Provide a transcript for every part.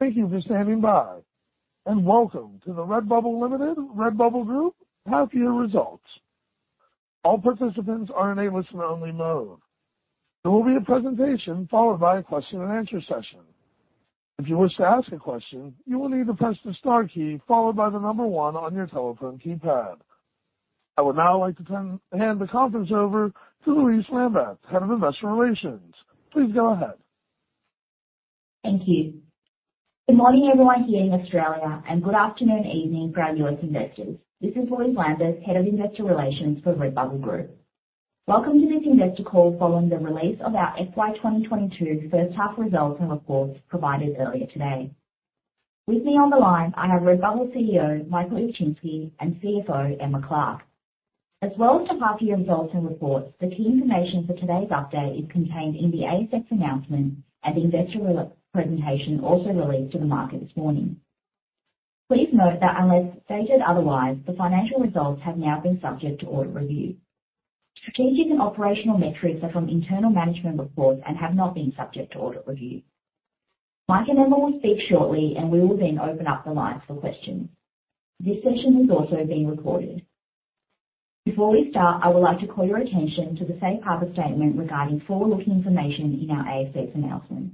Thank you for standing by, and welcome to the Redbubble Group half-year results. All participants are in a listen-only mode. There will be a presentation followed by a question-and-answer session. If you wish to ask a question, you will need to press the star key followed by the number 1 on your telephone keypad. I would now like to hand the conference over to Louise Lambeth, Head of Investor Relations. Please go ahead. Thank you. Good morning, everyone, here in Australia and good afternoon, evening for our U.S. investors. This is Louise Lambeth, Head of Investor Relations for Redbubble Group. Welcome to this investor call following the release of our FY 2022 first half results and reports provided earlier today. With me on the line I have Redbubble CEO, Michael Ilczynski, and CFO, Emma Clark. As well as the half-year results and reports, the key information for today's update is contained in the ASX announcement and investor presentation also released to the market this morning. Please note that unless stated otherwise, the financial results have now been subject to audit review. Strategic and operational metrics are from internal management reports and have not been subject to audit review. Mike and Emma will speak shortly and we will then open up the lines for questions. This session is also being recorded. Before we start, I would like to call your attention to the Safe Harbor statement regarding forward-looking information in our ASX announcement.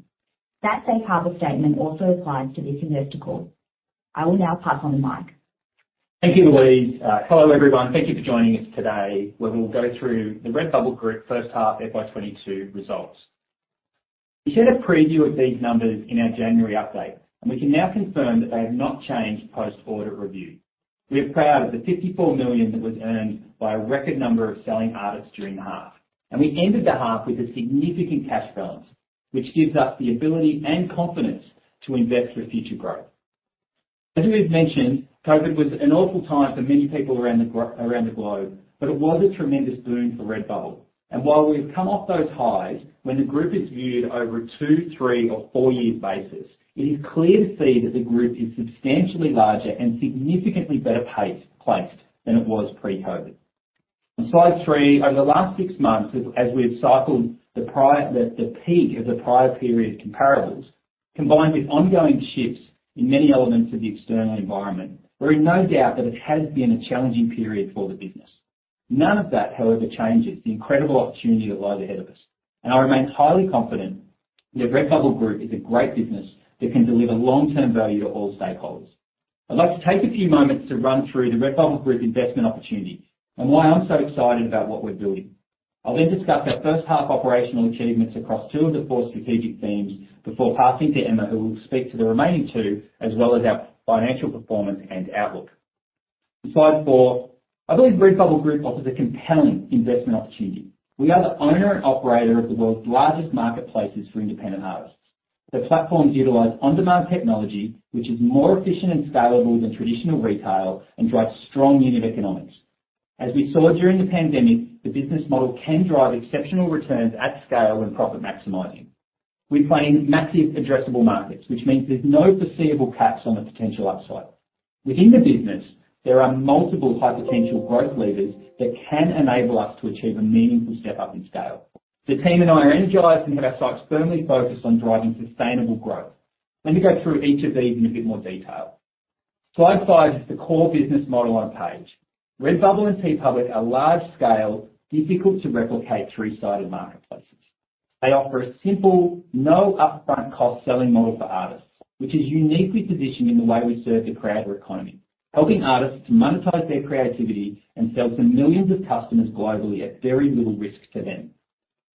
That Safe Harbor statement also applies to this investor call. I will now pass on to Mike. Thank you, Louise. Hello, everyone. Thank you for joining us today. We will go through the Redbubble Group first half FY 2022 results. We shared a preview of these numbers in our January update, and we can now confirm that they have not changed post-audit review. We are proud of the 54 million that was earned by a record number of selling artists during the half. We ended the half with a significant cash balance, which gives us the ability and confidence to invest for future growth. As we've mentioned, COVID was an awful time for many people around the globe, but it was a tremendous boom for Redbubble. While we've come off those highs, when the group is viewed over a two, three or four-year basis, it is clear to see that the group is substantially larger and significantly better placed than it was pre-COVID. On slide three, over the last six months as we've cycled the peak of the prior period comparables, combined with ongoing shifts in many elements of the external environment, we're in no doubt that it has been a challenging period for the business. None of that, however, changes the incredible opportunity that lies ahead of us. I remain highly confident that Redbubble Group is a great business that can deliver long-term value to all stakeholders. I'd like to take a few moments to run through the Redbubble Group investment opportunity and why I'm so excited about what we're building. I'll then discuss our first half operational achievements across two of the four strategic themes before passing to Emma, who will speak to the remaining two as well as our financial performance and outlook. On slide four, I believe Redbubble Group offers a compelling investment opportunity. We are the owner and operator of the world's largest marketplaces for independent artists. The platforms utilize on-demand technology, which is more efficient and scalable than traditional retail and drives strong unit economics. As we saw during the pandemic, the business model can drive exceptional returns at scale when profit maximizing. We're playing massive addressable markets, which means there's no foreseeable caps on the potential upside. Within the business, there are multiple high potential growth levers that can enable us to achieve a meaningful step up in scale. The team and I are energized and have our sights firmly focused on driving sustainable growth. Let me go through each of these in a bit more detail. Slide 5 is the core business model on page. Redbubble and TeePublic are large scale, difficult to replicate three-sided marketplaces. They offer a simple, no upfront cost selling model for artists, which is uniquely positioned in the way we serve the creator economy, helping artists to monetize their creativity and sell to millions of customers globally at very little risk to them.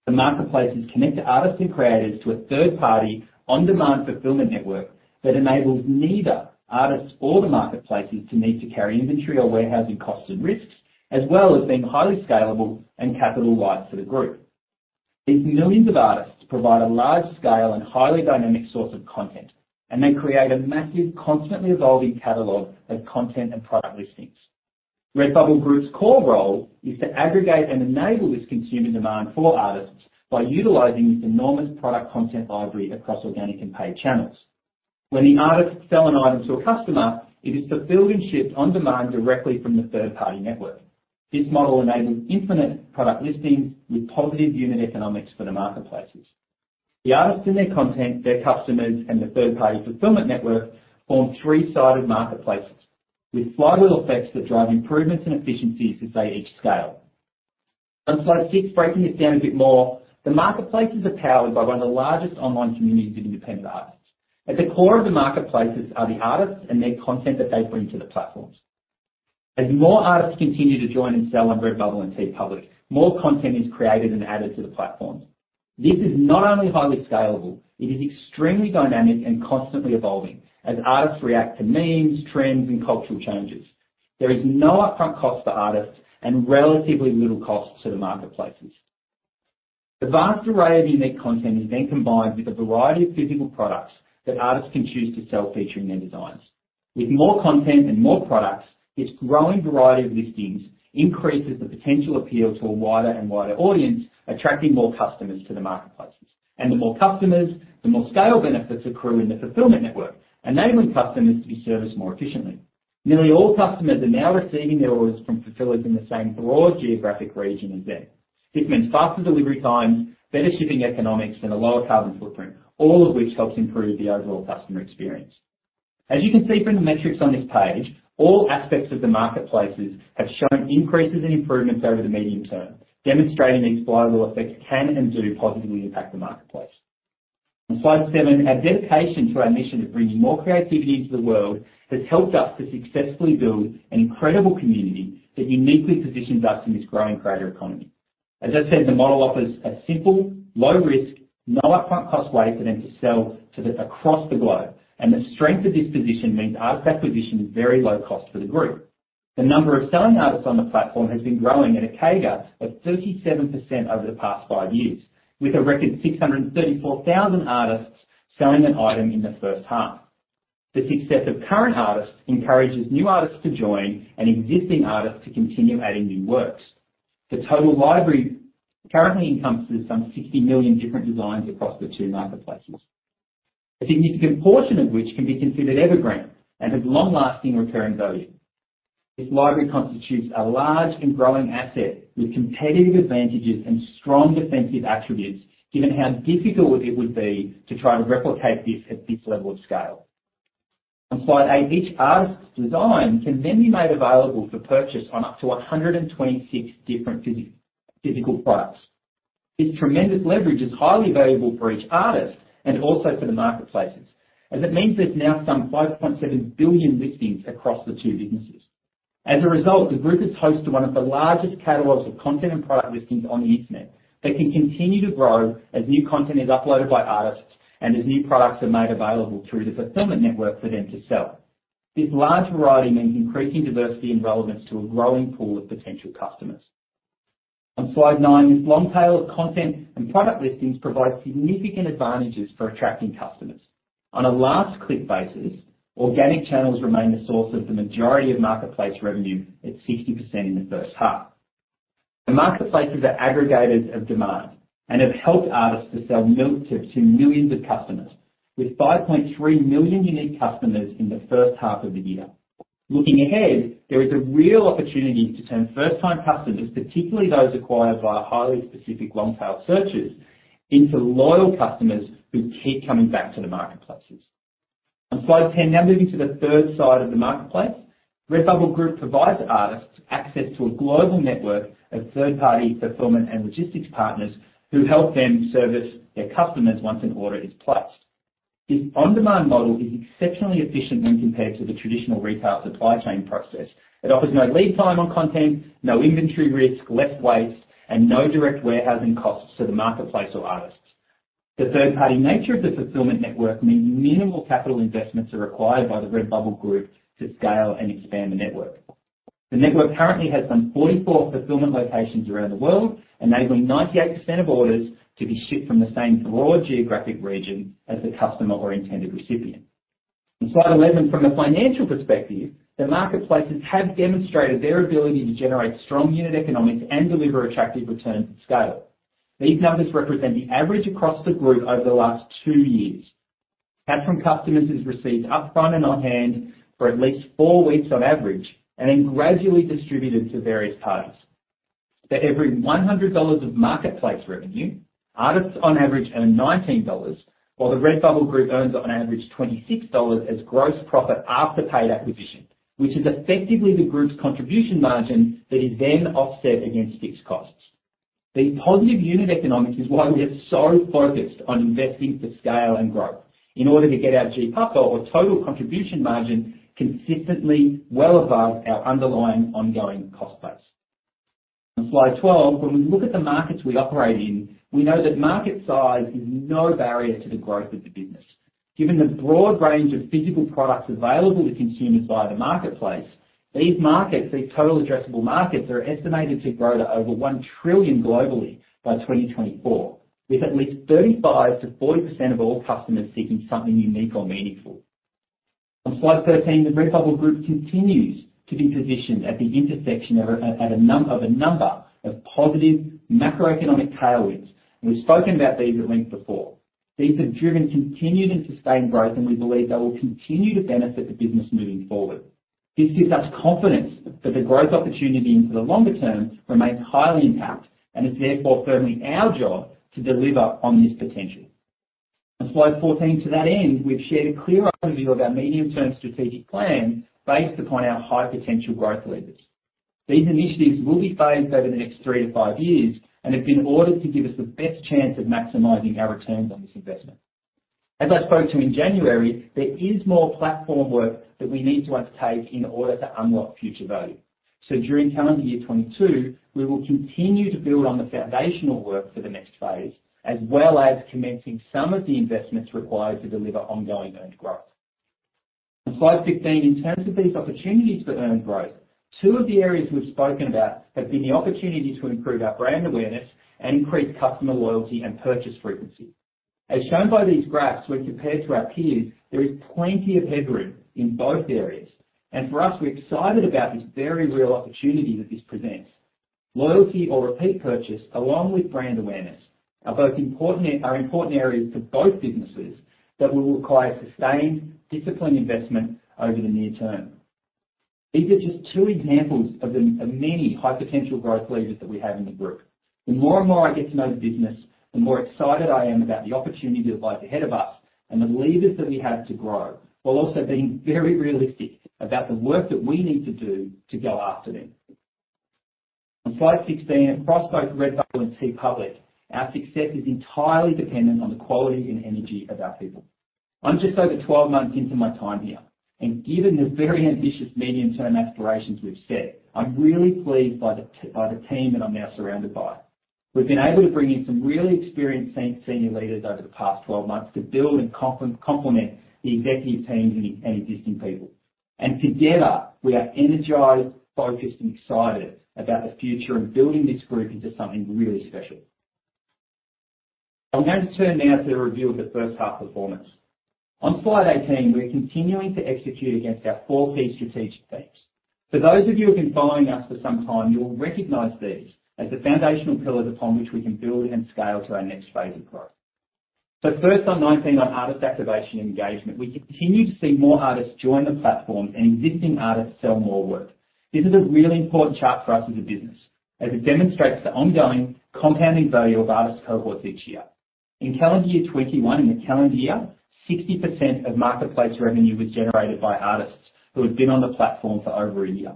The marketplaces connect artists and creators to a third-party on-demand fulfillment network that enables neither artists or the marketplaces to need to carry inventory or warehousing costs and risks, as well as being highly scalable and capital light to the group. These millions of artists provide a large scale and highly dynamic source of content, and they create a massive, constantly evolving catalog of content and product listings. Redbubble Group's core role is to aggregate and enable this consumer demand for artists by utilizing this enormous product content library across organic and paid channels. When the artists sell an item to a customer, it is fulfilled and shipped on demand directly from the third-party network. This model enables infinite product listings with positive unit economics for the marketplaces. The artists and their content, their customers, and the third-party fulfillment network form three-sided marketplaces with flywheel effects that drive improvements and efficiencies as they each scale. On Slide six, breaking this down a bit more, the marketplaces are powered by one of the largest online communities of independent artists. At the core of the marketplaces are the artists and their content that they bring to the platforms. As more artists continue to join and sell on Redbubble and TeePublic, more content is created and added to the platforms. This is not only highly scalable, it is extremely dynamic and constantly evolving as artists react to memes, trends, and cultural changes. There is no upfront cost to artists and relatively little cost to the marketplaces. Advanced array of unique content is then combined with a variety of physical products that artists can choose to sell featuring their designs. With more content and more products, its growing variety of listings increases the potential appeal to a wider and wider audience, attracting more customers to the marketplaces. The more customers, the more scale benefits accrue in the fulfillment network, enabling customers to be serviced more efficiently. Nearly all customers are now receiving their orders from fulfillers in the same broad geographic region as them. This means faster delivery times, better shipping economics, and a lower carbon footprint, all of which helps improve the overall customer experience. As you can see from the metrics on this page, all aspects of the marketplaces have shown increases in improvements over the medium term, demonstrating these flywheel effects can and do positively impact the marketplace. On slide seven, our dedication to our mission of bringing more creativity into the world has helped us to successfully build an incredible community that uniquely positions us in this growing creator economy. As I said, the model offers a simple, low-risk, no upfront cost way for them to sell across the globe. The strength of this position means artist acquisition is very low cost for the group. The number of selling artists on the platform has been growing at a CAGR of 37% over the past five years, with a record 634,000 artists selling an item in the first half. The success of current artists encourages new artists to join and existing artists to continue adding new works. The total library currently encompasses some 60 million different designs across the two marketplaces, a significant portion of which can be considered evergreen and has long-lasting recurring value. This library constitutes a large and growing asset with competitive advantages and strong defensive attributes, given how difficult it would be to try to replicate this at this level of scale. On Slide 8, each artist's design can then be made available for purchase on up to 126 different physical products. This tremendous leverage is highly valuable for each artist and also for the marketplaces, as it means there's now some 5.7 billion listings across the two businesses. As a result, the group is host to one of the largest catalogs of content and product listings on the Internet that can continue to grow as new content is uploaded by artists and as new products are made available through the fulfillment network for them to sell. This large variety means increasing diversity and relevance to a growing pool of potential customers. On slide 9, this long tail of content and product listings provides significant advantages for attracting customers. On a last click basis, organic channels remain the source of the majority of marketplace revenue at 60% in the first half. The marketplaces are aggregators of demand and have helped artists to sell millions to millions of customers. With 5.3 million unique customers in the first half of the year. Looking ahead, there is a real opportunity to turn first-time customers, particularly those acquired via highly specific long-tail searches, into loyal customers who keep coming back to the marketplaces. On slide ten, now moving to the third side of the marketplace. Redbubble Group provides artists access to a global network of third-party fulfillment and logistics partners who help them service their customers once an order is placed. This on-demand model is exceptionally efficient when compared to the traditional retail supply chain process. It offers no lead time on content, no inventory risk, less waste, and no direct warehousing costs to the marketplace or artists. The third-party nature of the fulfillment network means minimal capital investments are required by the Redbubble Group to scale and expand the network. The network currently has some 44 fulfillment locations around the world, enabling 98% of orders to be shipped from the same broad geographic region as the customer or intended recipient. On slide 11, from a financial perspective, the marketplaces have demonstrated their ability to generate strong unit economics and deliver attractive returns at scale. These numbers represent the average across the group over the last two years. Cash from customers is received up front and on hand for at least four weeks on average, and then gradually distributed to various parties. For every $100 of marketplace revenue, artists on average earn $19, while the Redbubble Group earns on average $26 as gross profit after paid acquisition, which is effectively the group's contribution margin that is then offset against fixed costs. These positive unit economics is why we are so focused on investing for scale and growth. In order to get our GPAPA or total contribution margin consistently well above our underlying ongoing cost base. On slide 12, when we look at the markets we operate in, we know that market size is no barrier to the growth of the business. Given the broad range of physical products available to consumers via the marketplace, these markets, these total addressable markets, are estimated to grow to over $1 trillion globally by 2024, with at least 35%-40% of all customers seeking something unique or meaningful. On slide 13, the Redbubble Group continues to be positioned at the intersection of a number of positive macroeconomic tailwinds, and we've spoken about these at length before. These have driven continued and sustained growth, and we believe they will continue to benefit the business moving forward. This gives us confidence that the growth opportunity into the longer term remains highly intact and is therefore firmly our job to deliver on this potential. On slide 14, to that end, we've shared a clear overview of our medium-term strategic plan based upon our high-potential growth levers. These initiatives will be phased over the next 3-5 years and have been ordered to give us the best chance at maximizing our returns on this investment. As I spoke to in January, there is more platform work that we need to undertake in order to unlock future value. During calendar year 2022, we will continue to build on the foundational work for the next phase, as well as commencing some of the investments required to deliver ongoing earned growth. On slide 15, in terms of these opportunities for earned growth, two of the areas we've spoken about have been the opportunity to improve our brand awareness and increase customer loyalty and purchase frequency. As shown by these graphs, when compared to our peers, there is plenty of headroom in both areas. For us, we're excited about this very real opportunity that this presents. Loyalty or repeat purchase, along with brand awareness, are both important areas for both businesses that will require sustained, disciplined investment over the near term. These are just two examples of many high potential growth levers that we have in the group. The more and more I get to know the business, the more excited I am about the opportunity that lies ahead of us and the levers that we have to grow, while also being very realistic about the work that we need to do to go after them. On slide 16, across both Redbubble and TeePublic, our success is entirely dependent on the quality and energy of our people. I'm just over 12 months into my time here, and given the very ambitious medium-term aspirations we've set, I'm really pleased by the team that I'm now surrounded by. We've been able to bring in some really experienced senior leaders over the past 12 months to build and complement the executive teams and existing people. Together, we are energized, focused, and excited about the future and building this group into something really special. I'm going to turn now to a review of the first half performance. On slide 18, we're continuing to execute against our four key strategic themes. For those of you who've been following us for some time, you'll recognize these as the foundational pillars upon which we can build and scale to our next phase of growth. First on 19, on artist activation engagement, we continue to see more artists join the platform and existing artists sell more work. This is a really important chart for us as a business as it demonstrates the ongoing compounding value of artist cohorts each year. In calendar year 2021, 60% of marketplace revenue was generated by artists who had been on the platform for over a year.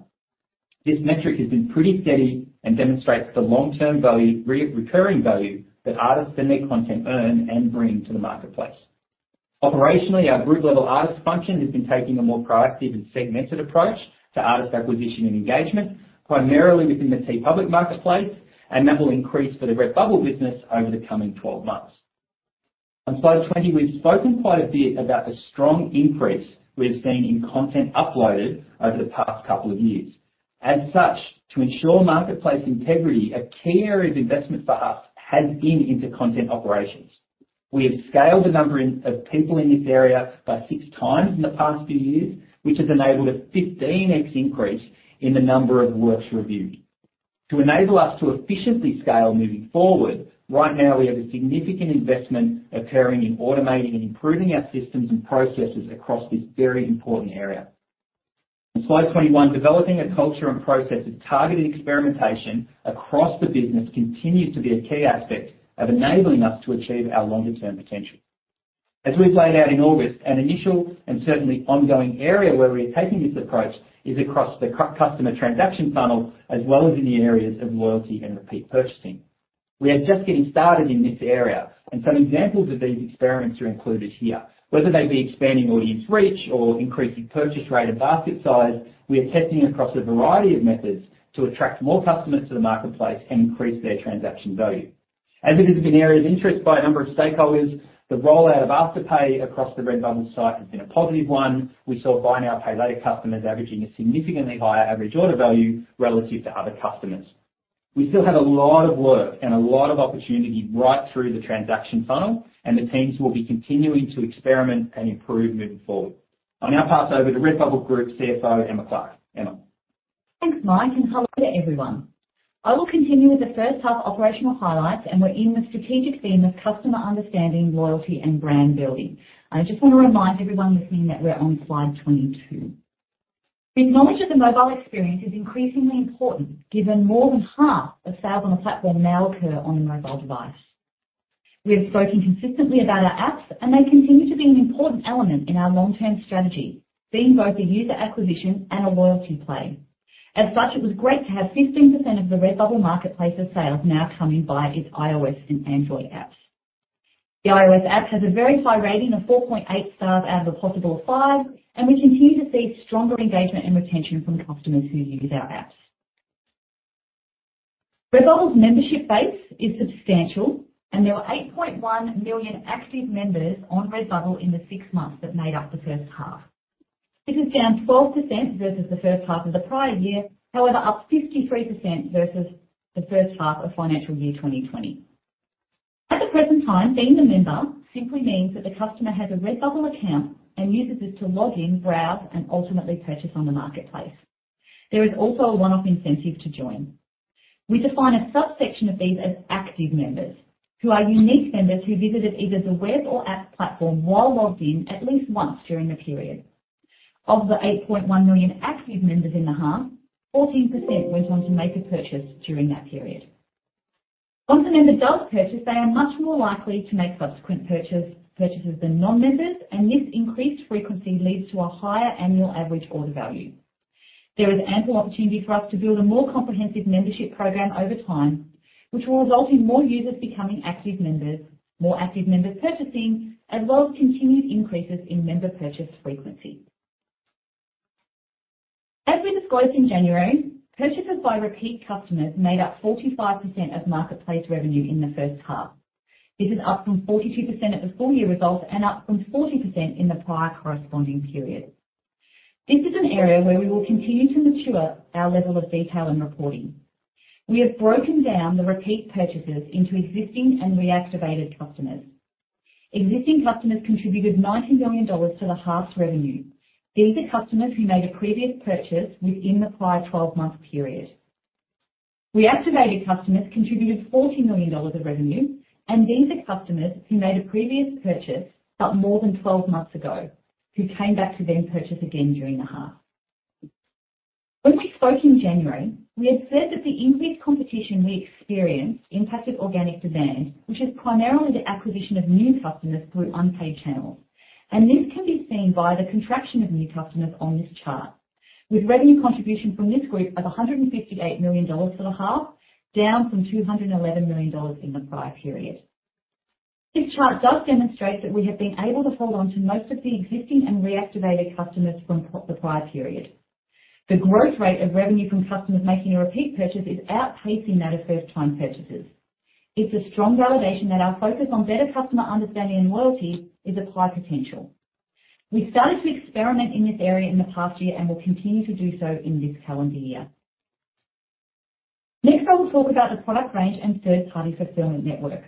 This metric has been pretty steady and demonstrates the long-term value, recurring value that artists and their content earn and bring to the marketplace. Operationally, our group-level artist function has been taking a more proactive and segmented approach to artist acquisition and engagement, primarily within the TeePublic marketplace, and that will increase for the Redbubble business over the coming 12 months. On slide 20, we've spoken quite a bit about the strong increase we've seen in content uploaded over the past couple of years. As such, to ensure marketplace integrity, a key area of investment for us has been into content operations. We have scaled the number of people in this area by six times in the past few years, which has enabled a 15x increase in the number of works reviewed. To enable us to efficiently scale moving forward, right now we have a significant investment occurring in automating and improving our systems and processes across this very important area. On slide 21, developing a culture and process of targeted experimentation across the business continues to be a key aspect of enabling us to achieve our longer-term potential. As we've laid out in August, an initial and certainly ongoing area where we're taking this approach is across the customer transaction funnel, as well as in the areas of loyalty and repeat purchasing. We are just getting started in this area, and some examples of these experiments are included here. Whether they be expanding audience reach or increasing purchase rate or basket size, we are testing across a variety of methods to attract more customers to the marketplace and increase their transaction value. As it has been an area of interest by a number of stakeholders, the rollout of Afterpay across the Redbubble site has been a positive one. We saw buy now, pay later customers averaging a significantly higher average order value relative to other customers. We still have a lot of work and a lot of opportunity right through the transaction funnel, and the teams will be continuing to experiment and improve moving forward. I'll now pass over to Redbubble Group CFO, Emma Clark. Emma. Thanks, Mike, and hello to everyone. I will continue with the first half operational highlights, and we're in the strategic theme of customer understanding, loyalty, and brand building. I just want to remind everyone listening that we're on slide 22. The enhancement of the mobile experience is increasingly important given more than half of sales on the platform now occur on a mobile device. We have spoken consistently about our apps, and they continue to be an important element in our long-term strategy, being both a user acquisition and a loyalty play. As such, it was great to have 15% of the Redbubble marketplace's sales now coming via its iOS and Android apps. The iOS app has a very high rating of 4.8 stars out of a possible 5, and we continue to see stronger engagement and retention from customers who use our apps. Redbubble's membership base is substantial and there were 8.1 million active members on Redbubble in the six months that made up the first half. This is down 12% versus the first half of the prior year, however, up 53% versus the first half of financial year 2020. At the present time, being a member simply means that the customer has a Redbubble account and uses it to log in, browse, and ultimately purchase on the marketplace. There is also a one-off incentive to join. We define a subsection of these as active members who are unique members who visited either the web or app platform while logged in at least once during the period. Of the 8.1 million active members in the half, 14% went on to make a purchase during that period. Once a member does purchase, they are much more likely to make subsequent purchases than non-members, and this increased frequency leads to a higher annual average order value. There is ample opportunity for us to build a more comprehensive membership program over time, which will result in more users becoming active members, more active members purchasing, as well as continued increases in member purchase frequency. As we disclosed in January, purchases by repeat customers made up 45% of marketplace revenue in the first half. This is up from 42% at the full year results and up from 40% in the prior corresponding period. This is an area where we will continue to mature our level of detail in reporting. We have broken down the repeat purchases into existing and reactivated customers. Existing customers contributed $19 million to the half's revenue. These are customers who made a previous purchase within the prior 12-month period. Reactivated customers contributed $40 million of revenue, and these are customers who made a previous purchase but more than 12 months ago, who came back to then purchase again during the half. When we spoke in January, we had said that the increased competition we experienced impacted organic demand, which is primarily the acquisition of new customers through unpaid channels. This can be seen by the contraction of new customers on this chart, with revenue contribution from this group of $158 million for the half, down from $211 million in the prior period. This chart does demonstrate that we have been able to hold on to most of the existing and reactivated customers from the prior period. The growth rate of revenue from customers making a repeat purchase is outpacing that of first-time purchasers. It's a strong validation that our focus on better customer understanding and loyalty is of high potential. We started to experiment in this area in the past year and will continue to do so in this calendar year. Next, I will talk about the product range and third-party fulfillment network.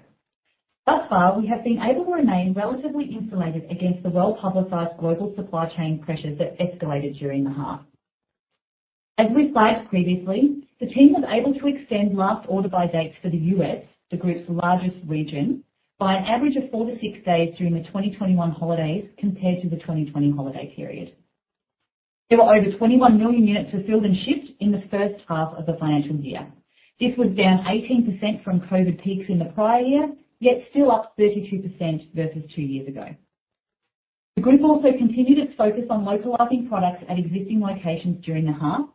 Thus far, we have been able to remain relatively insulated against the well-publicized global supply chain pressures that escalated during the half. As we flagged previously, the team was able to extend last order by dates for the U.S., the group's largest region, by an average of 4-6 days during the 2021 holidays compared to the 2020 holiday period. There were over 21 million units fulfilled and shipped in the first half of the financial year. This was down 18% from COVID peaks in the prior year, yet still up 32% versus two years ago. The group also continued its focus on localizing products at existing locations during the half,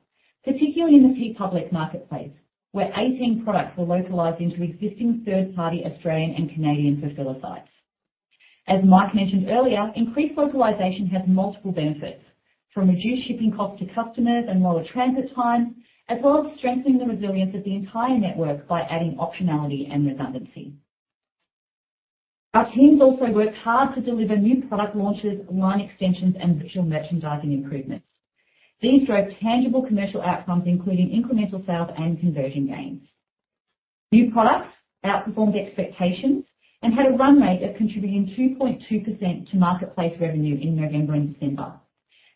particularly in the TeePublic marketplace, where 18 products were localized into existing third-party Australian and Canadian fulfill sites. As Mike mentioned earlier, increased localization has multiple benefits, from reduced shipping costs to customers and lower transit times, as well as strengthening the resilience of the entire network by adding optionality and redundancy. Our teams also worked hard to deliver new product launches, line extensions, and virtual merchandising improvements. These drove tangible commercial outcomes, including incremental sales and conversion gains. New products outperformed expectations and had a run rate of contributing 2.2% to marketplace revenue in November and December.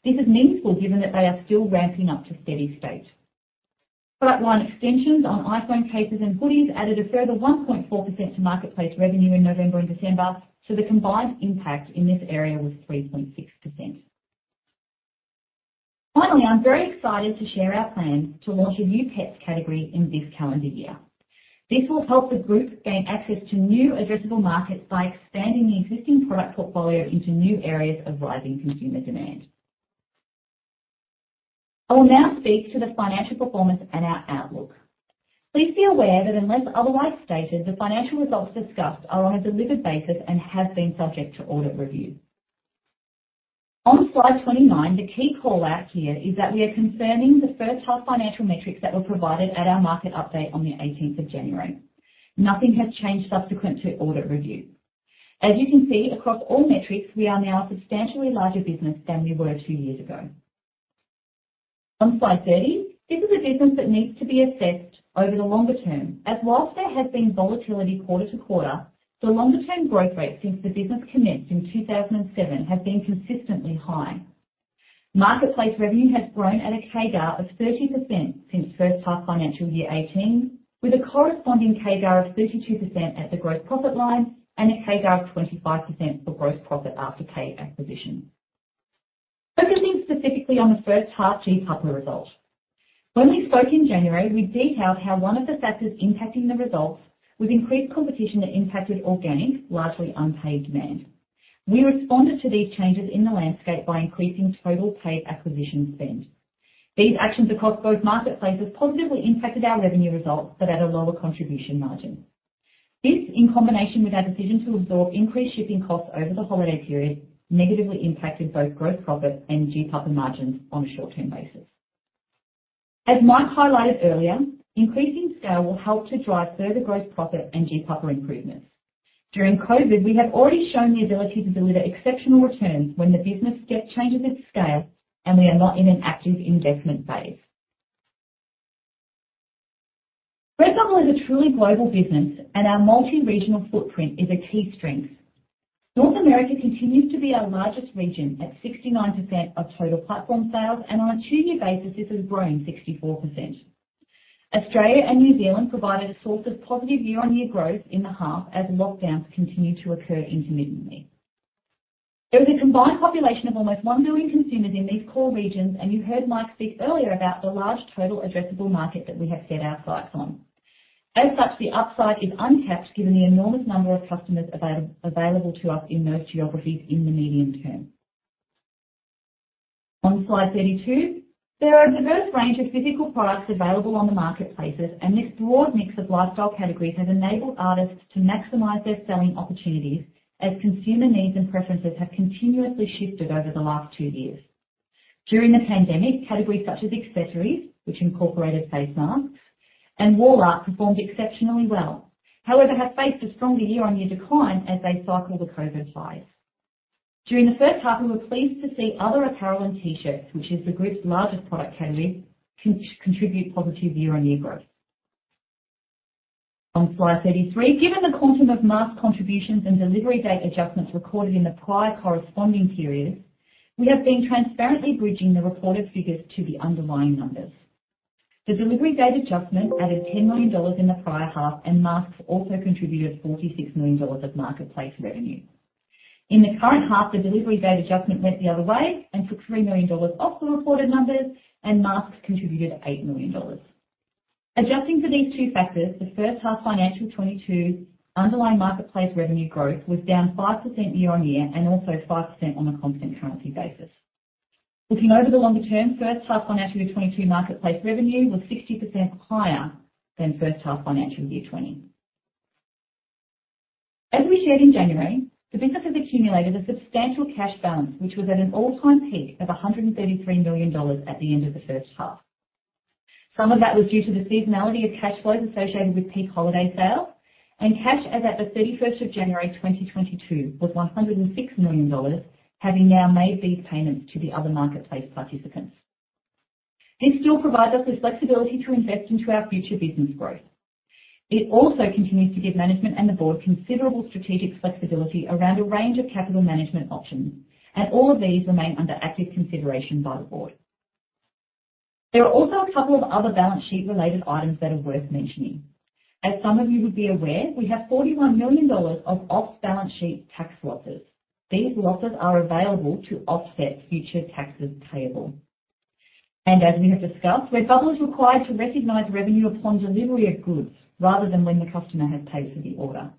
This is meaningful given that they are still ramping up to steady-state. Product line extensions on iPhone cases and hoodies added a further 1.4% to marketplace revenue in November and December, so the combined impact in this area was 3.6%. Finally, I'm very excited to share our plans to launch a new pets category in this calendar year. This will help the group gain access to new addressable markets by expanding the existing product portfolio into new areas of rising consumer demand. I will now speak to the financial performance and our outlook. Please be aware that unless otherwise stated, the financial results discussed are on a delivered basis and have been subject to audit review. On slide 29, the key call-out here is that we are confirming the H1 financial metrics that were provided at our market update on the 18th of January. Nothing has changed subsequent to audit review. As you can see, across all metrics, we are now a substantially larger business than we were two years ago. On slide 30, this is a business that needs to be assessed over the longer term, as while there has been volatility quarter to quarter, the longer-term growth rate since the business commenced in 2007 has been consistently high. Marketplace revenue has grown at a CAGR of 30% since first half FY 2018, with a corresponding CAGR of 32% at the gross profit line and a CAGR of 25% for gross profit after paid acquisition. Focusing specifically on the H1 FY 2022 results, when we spoke in January, we detailed how one of the factors impacting the results was increased competition that impacted organic, largely unpaid demand. We responded to these changes in the landscape by increasing total paid acquisition spend. These actions across both marketplaces positively impacted our revenue results, but at a lower contribution margin. This, in combination with our decision to absorb increased shipping costs over the holiday period, negatively impacted both gross profit and GPAPA margins on a short-term basis. As Mike highlighted earlier, increasing scale will help to drive further gross profit and GPAPA improvements. During COVID, we have already shown the ability to deliver exceptional returns when the business changes its scale and we are not in an active investment phase. Redbubble is a truly global business and our multi-regional footprint is a key strength. North America continues to be our largest region at 69% of total platform sales, and on a two-year basis, this is growing 64%. Australia and New Zealand provided a source of positive year-on-year growth in the half as lockdowns continued to occur intermittently. There is a combined population of almost 1 billion consumers in these core regions, and you heard Mike speak earlier about the large total addressable market that we have set our sights on. As such, the upside is untapped given the enormous number of customers available to us in those geographies in the medium term. On slide 32, there are a diverse range of physical products available on the marketplaces, and this broad mix of lifestyle categories has enabled artists to maximize their selling opportunities as consumer needs and preferences have continuously shifted over the last TWO years. During the pandemic, categories such as accessories, which incorporated face masks, and wall art performed exceptionally well, however, have faced a stronger year-on-year decline as they cycle the COVID buys. During the first half, we were pleased to see other apparel and T-shirts, which is the group's largest product category, contribute positive year-on-year growth. On slide 33. Given the quantum of mask contributions and delivery date adjustments recorded in the prior corresponding periods, we have been transparently bridging the reported figures to the underlying numbers. The delivery date adjustment added $10 million in the prior half, and masks also contributed $46 million of marketplace revenue. In the current half, the delivery date adjustment went the other way and took $3 million off the reported numbers, and masks contributed $8 million. Adjusting for these two factors, the first half FY 2022 underlying marketplace revenue growth was down 5% year-on-year and also 5% on a constant currency basis. Looking over the longer term, first half financial year 2022 marketplace revenue was 60% higher than first half financial year 2020. As we shared in January, the business has accumulated a substantial cash balance, which was at an all-time peak of $133 million at the end of the first half. Some of that was due to the seasonality of cash flows associated with peak holiday sales. Cash as at January 31, 2022 was $106 million, having now made these payments to the other marketplace participants. This still provides us with flexibility to invest into our future business growth. It also continues to give management and the board considerable strategic flexibility around a range of capital management options, and all of these remain under active consideration by the board. There are also a couple of other balance sheet-related items that are worth mentioning. As some of you would be aware, we have 41 million dollars of off-balance-sheet tax losses. These losses are available to offset future taxes payable. As we have discussed, Redbubble is required to recognize revenue upon delivery of goods rather than when the customer has paid for the order.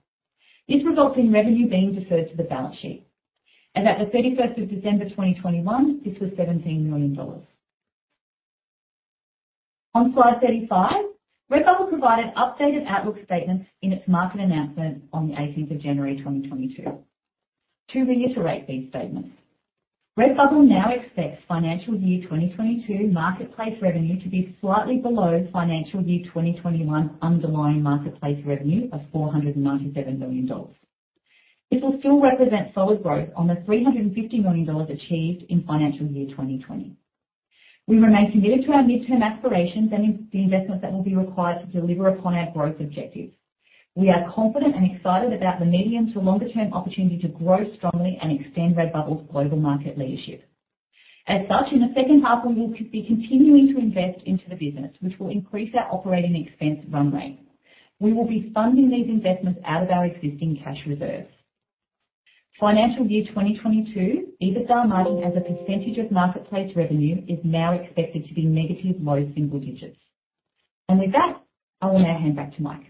This results in revenue being deferred to the balance sheet. At the thirty-first of December 2021, this was 17 million dollars. On slide 35, Redbubble provided updated outlook statements in its market announcement on the eighteenth of January 2022. To reiterate these statements, Redbubble now expects financial year 2022 marketplace revenue to be slightly below financial year 2021 underlying marketplace revenue of AUD 497 million. This will still represent solid growth on the $350 million achieved in FY 2020. We remain committed to our midterm aspirations and in the investments that will be required to deliver upon our growth objectives. We are confident and excited about the medium to longer term opportunity to grow strongly and extend Redbubble's global market leadership. As such, in the second half, we will be continuing to invest into the business, which will increase our operating expense run rate. We will be funding these investments out of our existing cash reserves. FY 2022 EBITDA margin as a percentage of marketplace revenue is now expected to be negative low single digits%. With that, I will now hand back to Mike.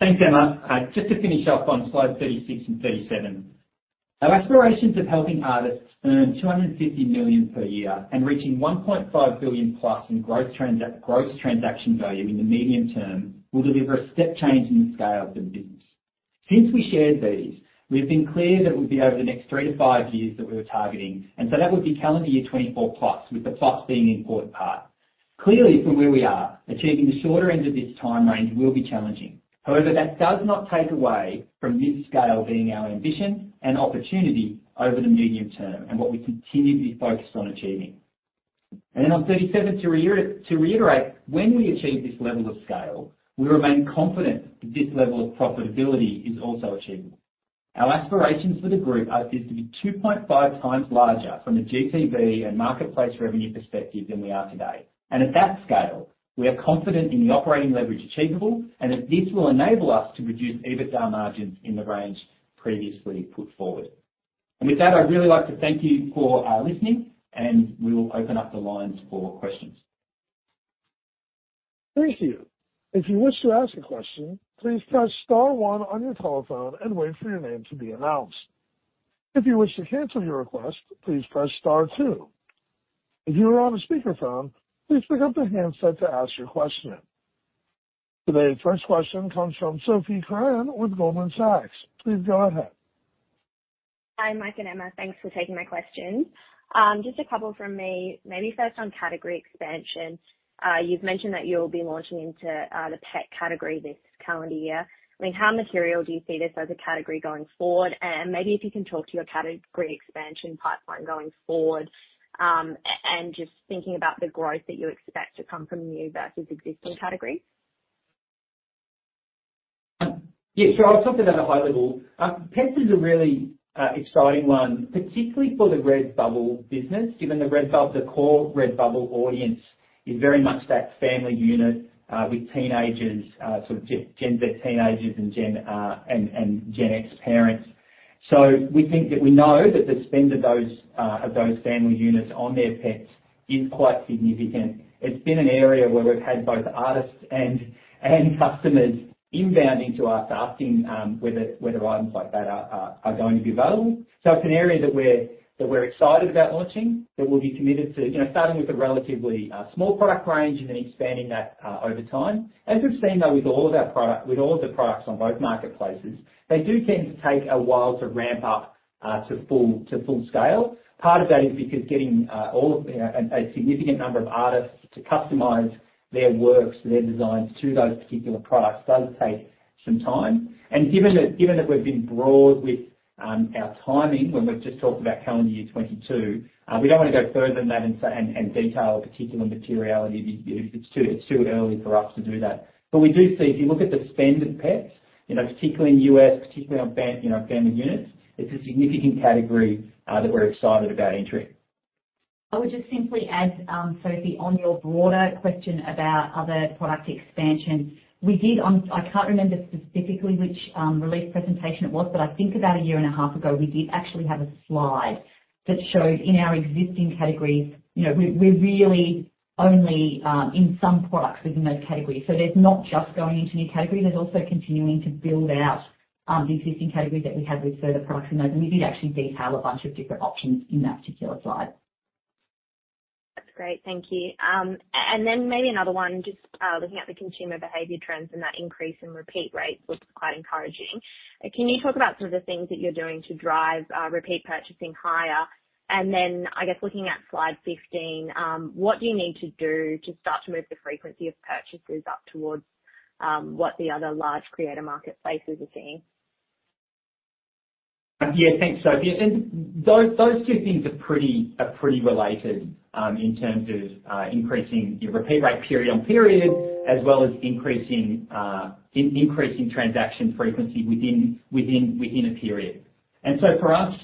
Thanks, Emma. Just to finish up on slide 36 and 37. Our aspirations of helping artists earn 250 million per year and reaching 1.5 billion+ in gross transaction value in the medium term will deliver a step change in the scale of the business. Since we shared these, we've been clear that it would be over the next 3-5 years that we were targeting, and so that would be calendar year 2024+, with the plus being the important part. Clearly, from where we are, achieving the shorter end of this time range will be challenging. However, that does not take away from this scale being our ambition and opportunity over the medium term and what we continue to be focused on achieving. On 37, to reiterate, when we achieve this level of scale, we remain confident that this level of profitability is also achievable. Our aspirations for the group are to be 2.5 times larger from a GTV and marketplace revenue perspective than we are today. At that scale, we are confident in the operating leverage achievable and that this will enable us to produce EBITDA margins in the range previously put forward. With that, I'd really like to thank you for listening, and we will open up the lines for questions. Thank you. If you wish to ask a question, please press star one on your telephone and wait for your name to be announced. If you wish to cancel your request, please press star two. If you are on a speakerphone, please pick up the handset to ask your question. Today's first question comes from Sophie Crane with Goldman Sachs. Please go ahead. Hi, Michael and Emma. Thanks for taking my questions. Just a couple from me, maybe first on category expansion. You've mentioned that you'll be launching into the pet category this calendar year. I mean, how material do you see this as a category going forward? Maybe if you can talk to your category expansion pipeline going forward, and just thinking about the growth that you expect to come from new versus existing categories. Yeah, sure. I'll talk to that at a high level. Pets is a really exciting one, particularly for the Redbubble business, given the core Redbubble audience is very much that family unit with teenagers, sort of Gen Z teenagers and Gen X parents. We think that we know that the spend of those family units on their pets is quite significant. It's been an area where we've had both artists and customers inbound into us asking whether items like that are going to be available. It's an area that we're excited about launching, that we'll be committed to, you know, starting with a relatively small product range and then expanding that over time. As we've seen, though, with all of the products on both marketplaces, they do tend to take a while to ramp up to full scale. Part of that is because getting a significant number of artists to customize their works, their designs to those particular products does take some time. Given that we've been broad with our timing when we've just talked about calendar year 2022, we don't wanna go further than that and say and detail particular materiality. It's too early for us to do that. We do see if you look at the spend in pets, you know, particularly in U.S., particularly on fam, you know, family units, it's a significant category that we're excited about entering. I would just simply add, Sophie, on your broader question about other product expansion. We did, I can't remember specifically which release presentation it was, but I think about a year and a half ago, we did actually have a slide that showed in our existing categories. You know, we're really only in some products within those categories. There's not just going into new categories, there's also continuing to build out the existing categories that we have with further products in those. We did actually detail a bunch of different options in that particular slide. That's great. Thank you. And then maybe another one, just looking at the consumer behavior trends and that increase in repeat rates looks quite encouraging. Can you talk about some of the things that you're doing to drive repeat purchasing higher? And then I guess looking at slide fifteen, what do you need to do to start to move the frequency of purchases up towards what the other large creator marketplaces are seeing? Yeah. Thanks, Sophie. Those two things are pretty related in terms of increasing your repeat rate period-on-period, as well as increasing transaction frequency within a period. For us,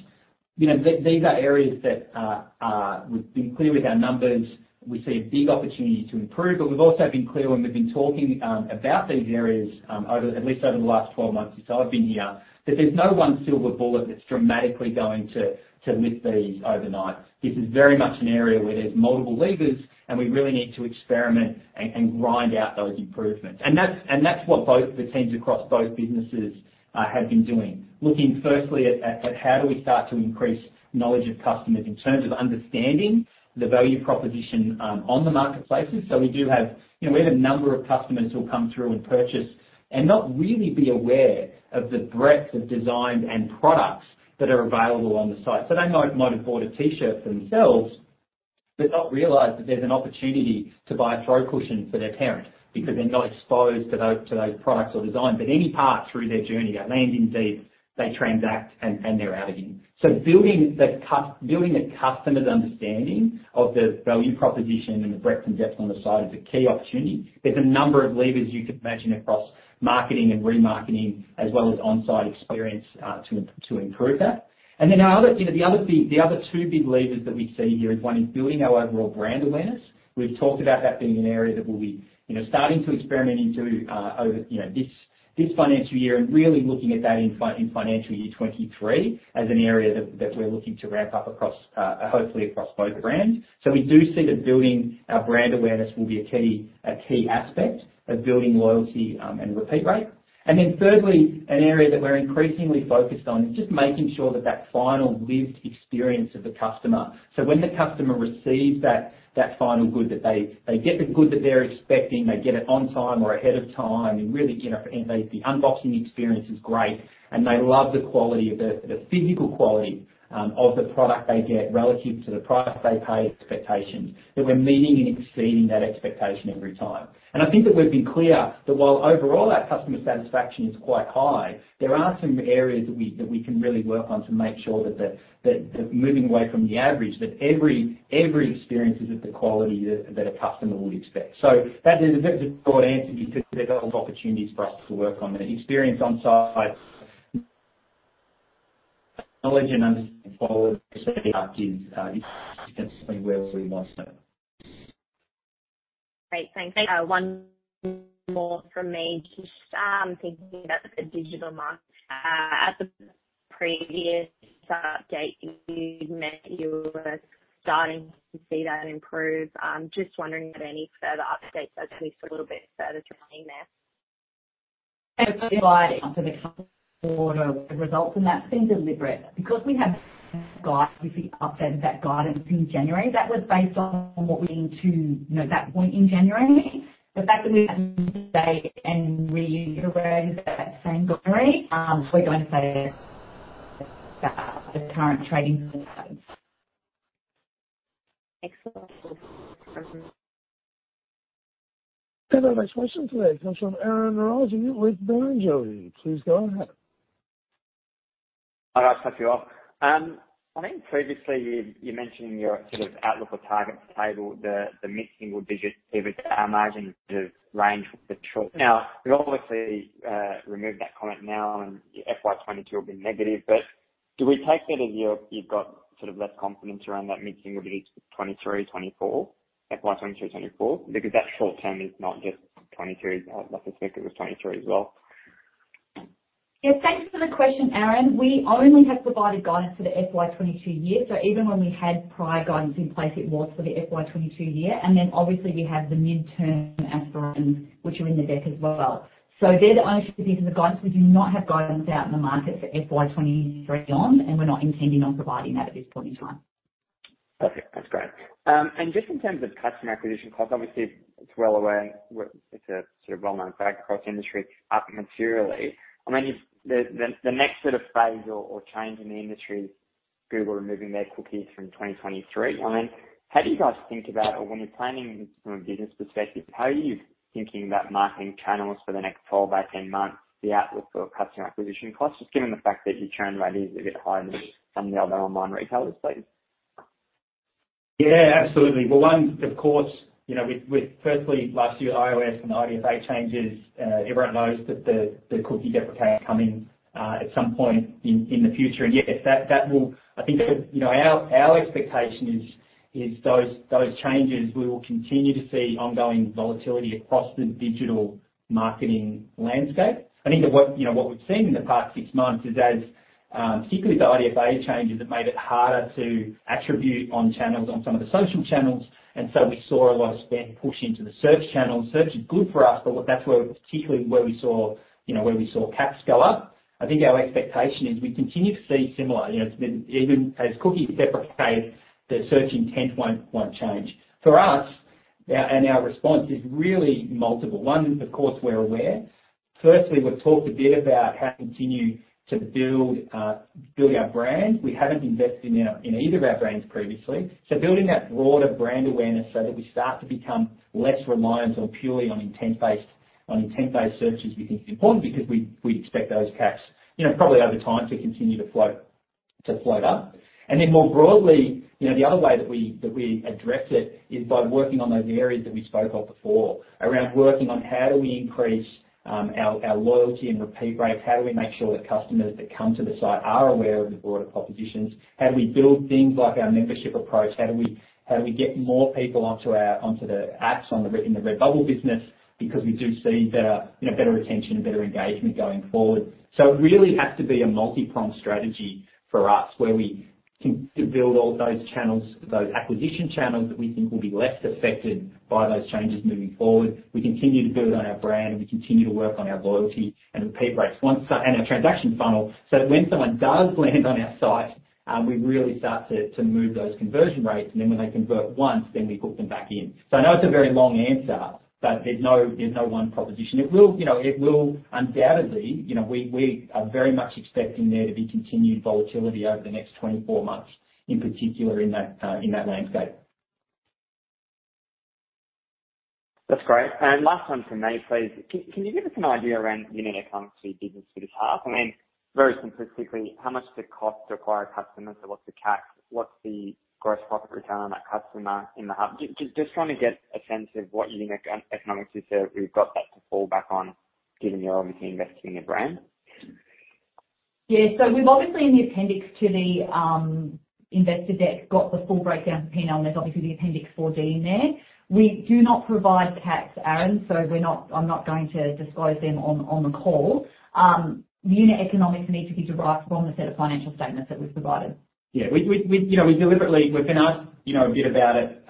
you know, these are areas that we've been clear with our numbers. We see a big opportunity to improve, but we've also been clear when we've been talking about these areas at least over the last 12 months since I've been here, that there's no one silver bullet that's dramatically going to lift these overnight. This is very much an area where there's multiple levers, and we really need to experiment and grind out those improvements. That's what both the teams across both businesses have been doing. Looking firstly at how do we start to increase knowledge of customers in terms of understanding the value proposition on the marketplaces. We do have. You know, we have a number of customers who'll come through and purchase and not really be aware of the breadth of designs and products that are available on the site. They might have bought a T-shirt for themselves, but not realized that there's an opportunity to buy a throw cushion for their parent because they're not exposed to those products or designs. At any point through their journey, they land in D2C, they transact, and they're out again. Building the customer's understanding of the value proposition and the breadth and depth on the site is a key opportunity. There's a number of levers you can imagine across marketing and remarketing as well as on-site experience to improve that. Our other, you know, the other two big levers that we see here is one building our overall brand awareness. We've talked about that being an area that we'll be, you know, starting to experiment into over, you know, this financial year and really looking at that in financial year 2023 as an area that we're looking to ramp up across, hopefully across both brands. We do see that building our brand awareness will be a key aspect of building loyalty and repeat rate. Then thirdly, an area that we're increasingly focused on is just making sure that final lived experience of the customer. When the customer receives that final good that they get the good that they're expecting, they get it on time or ahead of time. Really, you know, the unboxing experience is great and they love the quality of the physical quality of the product they get relative to the price they pay. Expectations that we're meeting and exceeding that expectation every time. I think that we've been clear that while overall our customer satisfaction is quite high, there are some areas that we can really work on to make sure that moving away from the average, that every experience is of the quality that a customer would expect. That is a very broad answer because there's a lot of opportunities for us to work on the experience on site. Knowledge and understanding is consistently where we want to. Great. Thanks. One more from me. Just thinking about the digital market. At the previous update, you'd mentioned you were starting to see that improve. Just wondering if any further updates, at least a little bit further down the line there. Providing for the quarter results, and that's been deliberate. Because we have guidance, we updated that guidance in January. That was based on what we knew to, you know, that point in January. The fact that we've had today and reiterating that same guidance, we're going to say the current trading. Excellent. Our next question today comes from Aaron Rose with Berenberg. Please go ahead. Hi. Thanks, Sophie. I think previously you mentioned in your sort of outlook or targets table the mid-single digit EBITDA margin sort of range for the short. Now, you've obviously removed that comment now, and FY 2022 will be negative. Do we take that as you've got sort of less confidence around that mid-single digit 2023, 2024? FY 2023, 2024? Because that short term is not just 2022. I suspect it was 2023 as well. Yeah. Thanks for the question, Aaron. We only have provided guidance for the FY 2022 year. Even when we had prior guidance in place, it was for the FY 2022 year. Obviously we have the midterm aspirations, which are in the deck as well. They're the only pieces of guidance. We do not have guidance out in the market for FY 2023 on, and we're not intending on providing that at this point in time. Perfect. That's great. Just in terms of customer acquisition costs, obviously it's well aware it's a sort of well-known fact across the industry, up materially. I mean, the next sort of phase or change in the industry, Google removing their cookies from 2023. I mean, how do you guys think about or when you're planning from a business perspective, how are you thinking about marketing channels for the next 12, 18 months, the outlook for customer acquisition costs, just given the fact that your churn rate is a bit higher than some of the other online retailers please? Yeah, absolutely. Well, one of course you know with firstly last year's iOS and IDFA changes everyone knows that the cookie deprecation is coming at some point in the future. Yes, that will. I think that you know our expectation is those changes we will continue to see ongoing volatility across the digital marketing landscape. I think that what you know what we've seen in the past six months is particularly with the IDFA changes it made it harder to attribute on channels on some of the social channels and so we saw a lot of spend pushed into the search channels. Search is good for us but that's where particularly where we saw you know where we saw caps go up. I think our expectation is we continue to see similar. You know, it's been even as cookies deprecate, the search intent won't change. For us, our response is really multiple. One, of course, we're aware. Firstly, we've talked a bit about how to continue to build our brand. We haven't invested in either of our brands previously. Building that broader brand awareness so that we start to become less reliant purely on intent-based searches, we think is important because we expect those caps, you know, probably over time to continue to float up. Then more broadly, you know, the other way that we address it is by working on those areas that we spoke of before, around working on how do we increase our loyalty and repeat rates? How do we make sure that customers that come to the site are aware of the broader propositions? How do we build things like our membership approach? How do we get more people onto the apps in the Redbubble business? Because we do see better, you know, better retention and better engagement going forward. It really has to be a multi-pronged strategy for us, where we seek to build all those channels, those acquisition channels that we think will be less affected by those changes moving forward. We continue to build on our brand, and we continue to work on our loyalty and repeat rates once and our transaction funnel, so that when someone does land on our site, we really start to move those conversion rates. When they convert once, then we hook them back in. I know it's a very long answer, but there's no one proposition. It will undoubtedly, you know, we are very much expecting there to be continued volatility over the next 24 months, in particular in that landscape. That's great. Last one from me, please. Can you give us an idea around unit economics for your business for the half? I mean, very simplistically, how much does it cost to acquire a customer? So what's the CAC? What's the gross profit return on that customer in the half? Just trying to get a sense of what unit economics you say you've got that to fall back on given you're obviously investing in your brand. Yeah. We've obviously in the appendix to the investor deck got the full breakdown for P&L, and there's obviously the Appendix 4D in there. We do not provide CAC, Aaron, so I'm not going to disclose them on the call. The unit economics need to be derived from the set of financial statements that we've provided. Yeah. You know, we've been asked, you know, a bit about it.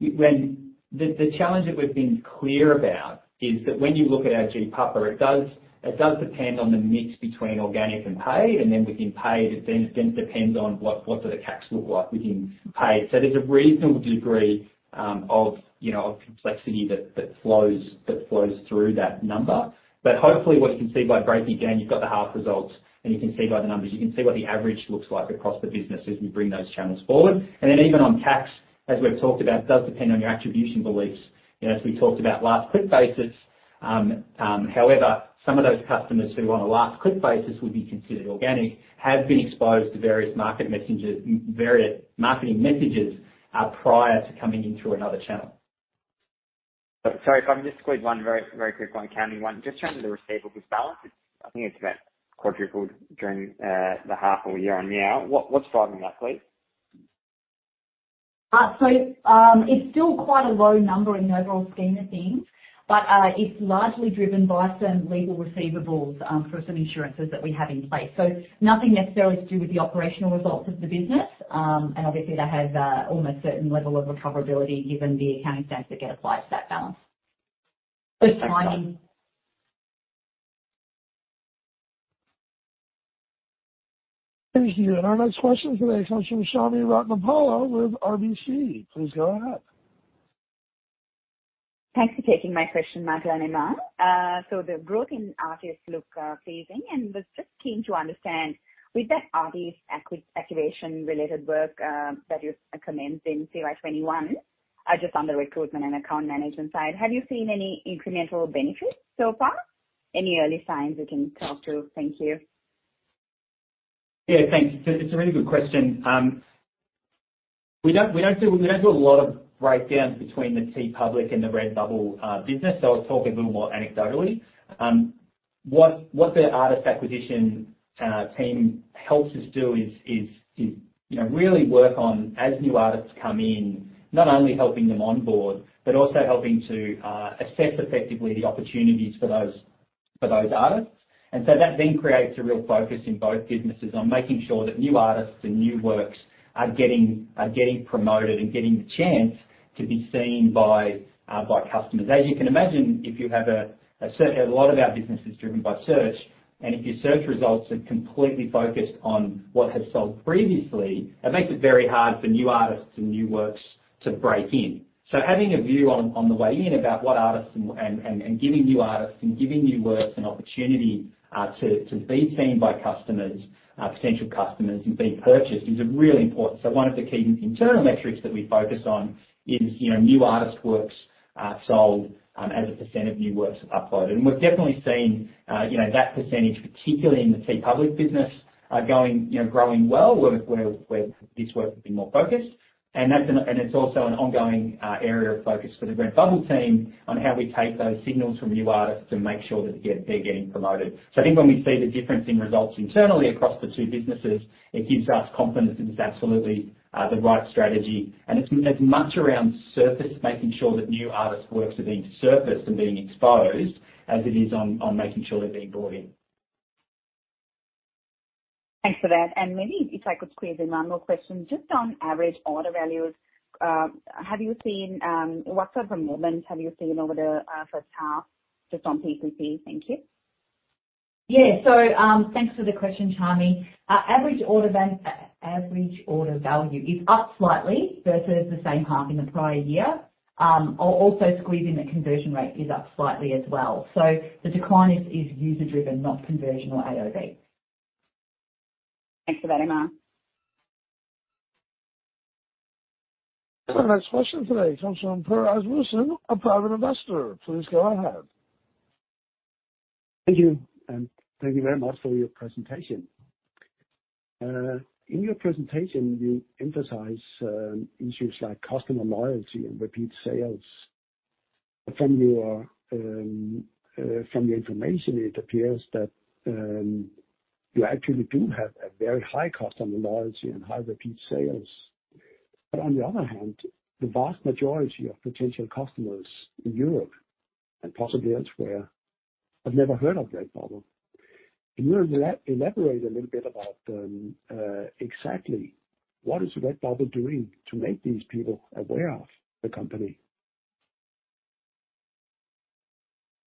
The challenge that we've been clear about is that when you look at our GPAPA, it does depend on the mix between organic and paid, and then within paid, it then depends on what the CACs look like within paid. There's a reasonable degree of, you know, of complexity that flows through that number. Hopefully, what you can see by breaking it down, you've got the half results, and you can see by the numbers. You can see what the average looks like across the business as we bring those channels forward. Even on CAC, as we've talked about, does depend on your attribution beliefs, you know, as we talked about last-click basis. However, some of those customers who on a last click basis would be considered organic have been exposed to various marketing messages prior to coming into another channel. Sorry. If I can just squeeze one very, very quick one, accounting one. Just turning to the receivables balance, it's, I think it's about quadrupled during the half or year on year. What's driving that, please? It's still quite a low number in the overall scheme of things, but it's largely driven by some legal receivables for some insurances that we have in place. Nothing necessarily to do with the operational results of the business. Obviously that has almost certain level of recoverability given the accounting standards that get applied to that balance. Timing. Thanks, guys. Thank you. Our next question today comes from Chaminda Ratnapala with RBC. Please go ahead. Thanks for taking my question, Matt and Emma. The growth in artists looks pleasing, and I was just keen to understand with that artist activation related work that you've commenced in FY 2021, just on the recruitment and account management side, have you seen any incremental benefits so far? Any early signs you can talk to? Thank you. Yeah, thanks. It's a really good question. We don't do a lot of breakdowns between the TeePublic and the Redbubble business, so I'll talk a little more anecdotally. What the artist acquisition team helps us do is, you know, really work on, as new artists come in, not only helping them onboard, but also helping to assess effectively the opportunities for those artists. That then creates a real focus in both businesses on making sure that new artists and new works are getting promoted and getting the chance to be seen by customers. As you can imagine, a lot of our business is driven by search. If your search results are completely focused on what has sold previously, it makes it very hard for new artists and new works to break in. Having a view on the way in about what artists and giving new artists and giving new works an opportunity to be seen by customers, potential customers, and being purchased is a really important. One of the key internal metrics that we focus on is, you know, new artist works sold as a % of new works uploaded. We've definitely seen, you know, that percentage, particularly in the TeePublic business, going, you know, growing well, where this work has been more focused. It's also an ongoing area of focus for the Redbubble team on how we take those signals from new artists to make sure that they're getting promoted. I think when we see the difference in results internally across the two businesses, it gives us confidence that it's absolutely the right strategy. It's as much around surfacing, making sure that new artist works are being surfaced and being exposed as it is on making sure they're being brought in. Thanks for that. Maybe if I could squeeze in one more question, just on average order values, have you seen? What sort of movement have you seen over the first half just on PCP? Thank you. Yeah. Thanks for the question, Charmy. Average order value is up slightly versus the same half in the prior year. Also the conversion rate is up slightly as well. The decline is user driven, not conversion or AOV. Thanks for that, Emma. The next question today comes from Per Asmussen, a private investor. Please go ahead. Thank you, and thank you very much for your presentation. In your presentation, you emphasize issues like customer loyalty and repeat sales. From your information, it appears that you actually do have a very high customer loyalty and high repeat sales. On the other hand, the vast majority of potential customers in Europe, and possibly elsewhere, have never heard of Redbubble. Can you elaborate a little bit about exactly what is Redbubble doing to make these people aware of the company?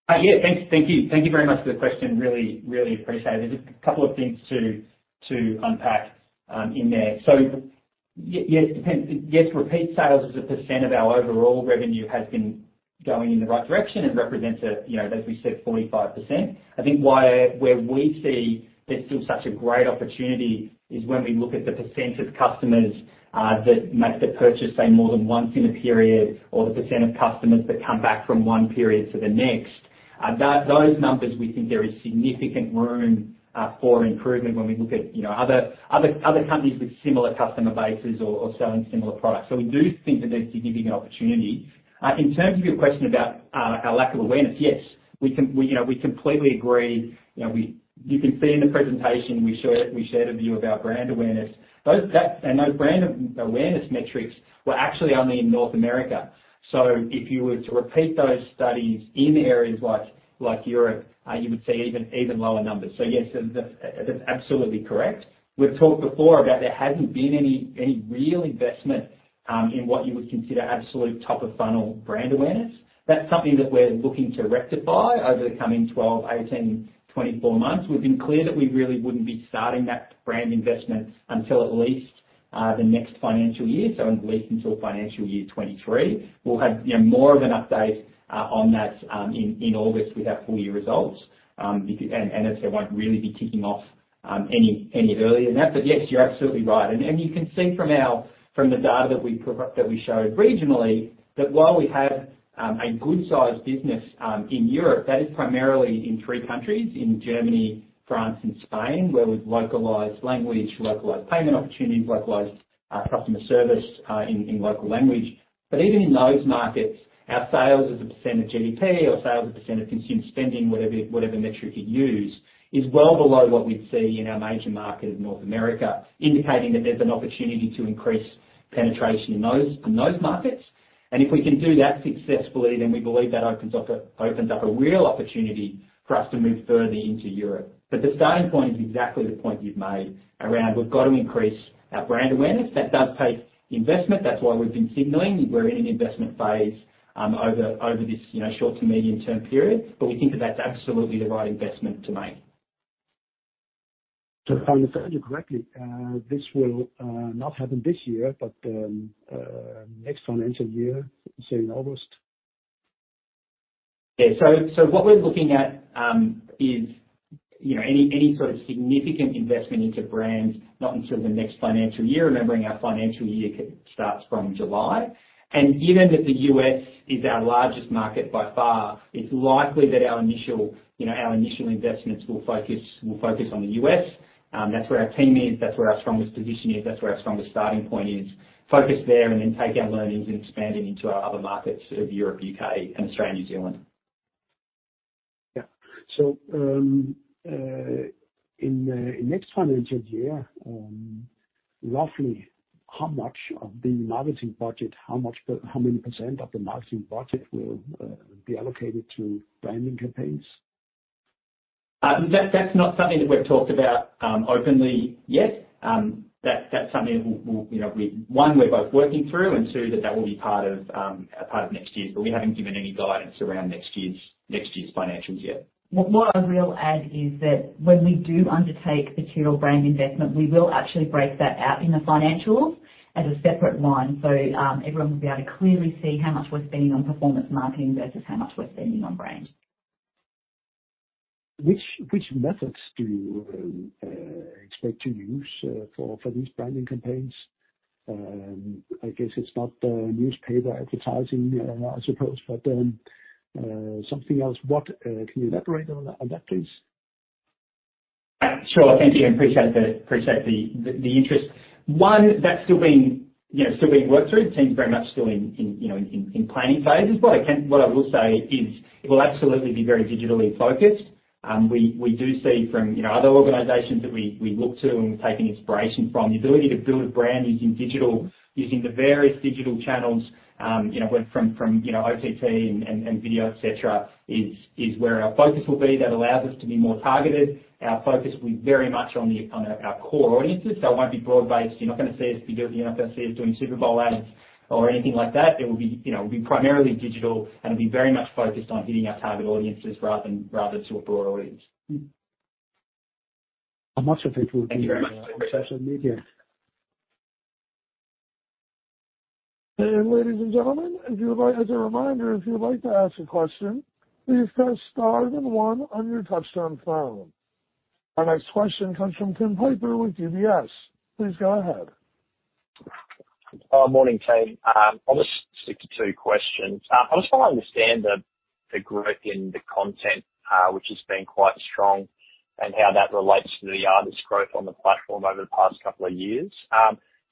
Thank you very much for the question. Really appreciate it. There's a couple of things to unpack in there. Yes, depends. Yes, repeat sales as a percent of our overall revenue has been going in the right direction and represents, you know, as we said, 45%. I think where we see there's still such a great opportunity is when we look at the percent of customers that make the purchase say more than once in a period or the percent of customers that come back from one period to the next. Those numbers, we think there is significant room for improvement when we look at, you know, other companies with similar customer bases or selling similar products. We do think that there's significant opportunity. In terms of your question about our lack of awareness, yes. We, you know, completely agree. You know, you can see in the presentation we shared a view of our brand awareness. Those brand awareness metrics were actually only in North America. If you were to repeat those studies in areas like Europe, you would see even lower numbers. Yes, that's absolutely correct. We've talked before about there hasn't been any real investment in what you would consider absolute top of funnel brand awareness. That's something that we're looking to rectify over the coming 12, 18, 24 months. We've been clear that we really wouldn't be starting that brand investment until at least the next financial year, so at least until financial year 2023. We'll have, you know, more of an update on that in August with our full year results. As I say, won't really be kicking off any earlier than that. Yes, you're absolutely right. You can see from the data that we showed regionally, that while we have a good sized business in Europe, that is primarily in three countries, in Germany, France and Spain, where we've localized language, localized payment opportunities, localized customer service in local language. Even in those markets, our sales as a % of GDP or sales as a % of consumer spending, whatever metric you use, is well below what we'd see in our major market of North America, indicating that there's an opportunity to increase penetration in those markets. If we can do that successfully, then we believe that opens up a real opportunity for us to move further into Europe. The starting point is exactly the point you've made around we've got to increase our brand awareness. That does take investment. That's why we've been signaling we're in an investment phase over this, you know, short to medium term period. We think that that's absolutely the right investment to make. If I understand you correctly, this will not happen this year, but next financial year, say in August? What we're looking at is any sort of significant investment into brands not until the next financial year. Remembering our financial year starts from July. Given that the U.S. is our largest market by far, it's likely that our initial investments will focus on the U.S. That's where our team is. That's where our strongest position is. That's where our strongest starting point is. Focus there and then take our learnings and expanding into our other markets of Europe, U.K. and Australia, New Zealand. In next financial year, roughly how many% of the marketing budget will be allocated to branding campaigns? That's not something that we've talked about openly yet. That's something we'll you know one, we're both working through, and two, that will be part of a part of next year. We haven't given any guidance around next year's financials yet. What I will add is that when we do undertake material brand investment, we will actually break that out in the financials as a separate line. Everyone will be able to clearly see how much we're spending on performance marketing versus how much we're spending on brand. Which methods do you expect to use for these branding campaigns? I guess it's not the newspaper advertising, I suppose, but something else. What can you elaborate on that, please? Sure. Thank you. I appreciate the interest. One, that's still being worked through. It seems very much still in planning phases. What I will say is it will absolutely be very digitally focused. We do see from other organizations that we look to and we take inspiration from the ability to build a brand using digital, using the various digital channels, where from OTT and video, et cetera, is where our focus will be. That allows us to be more targeted. Our focus will be very much on our core audiences. It won't be broad-based. You're not gonna see us doing Super Bowl ads or anything like that. It will be, you know, it'll be primarily digital, and it'll be very much focused on hitting our target audiences rather than to a broad audience. How much of it will be? Thank you very much. on social media? Ladies and gentlemen, as a reminder, if you would like to ask a question, please press star then one on your touchtone phone. Our next question comes from Tim Piper with UBS. Please go ahead. Morning, team. I'll just stick to two questions. I just want to understand the growth in the content, which has been quite strong and how that relates to the artist growth on the platform over the past couple of years.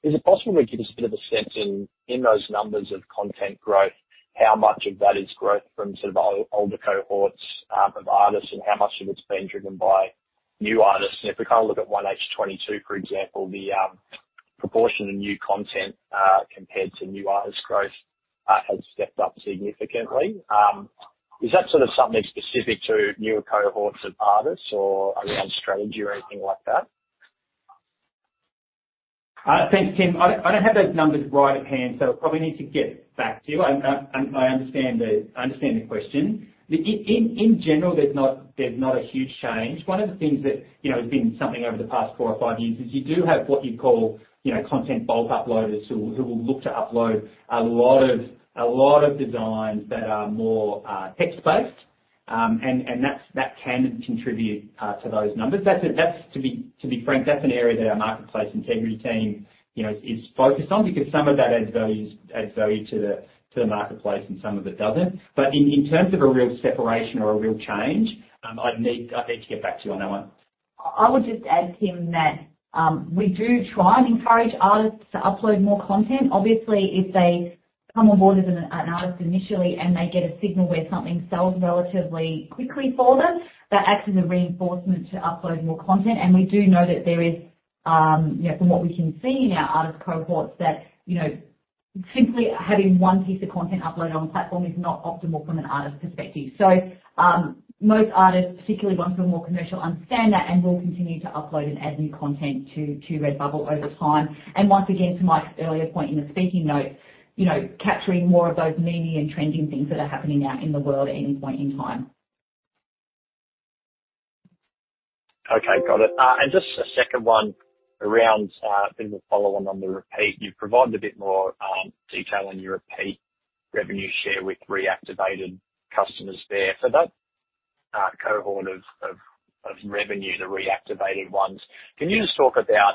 Is it possible to give us a bit of a sense in those numbers of content growth, how much of that is growth from sort of older cohorts of artists and how much of it's been driven by new artists? If we kind of look at 1H 2022, for example, the proportion of new content compared to new artist growth has stepped up significantly. Is that sort of something specific to newer cohorts of artists or around strategy or anything like that? Thanks, Tim. I don't have those numbers right at hand, so I'll probably need to get back to you. I understand the question. In general, there's not a huge change. One of the things that, you know, has been something over the past four or five years is you do have what you'd call, you know, content bulk uploaders who will look to upload a lot of designs that are more text-based. And that can contribute to those numbers. To be frank, that's an area that our marketplace integrity team, you know, is focused on because some of that adds value to the marketplace and some of it doesn't. In terms of a real separation or a real change, I'd need to get back to you on that one. I would just add, Tim, that we do try and encourage artists to upload more content. Obviously, if they come on board as an artist initially, and they get a signal where something sells relatively quickly for them, that acts as a reinforcement to upload more content. We do know that there is, you know, from what we can see in our artist cohorts that, you know, simply having one piece of content uploaded on platform is not optimal from an artist perspective. Most artists, particularly the ones who are more commercial, understand that and will continue to upload and add new content to Redbubble over time. Once again, to Mike's earlier point in the speaking notes, you know, capturing more of those meme-y and trending things that are happening out in the world at any point in time. Okay. Got it. Just a second one around, I think, a follow-on on the repeat. You've provided a bit more detail on your repeat revenue share with reactivated customers there. For that cohort of revenue, the reactivated ones, can you just talk about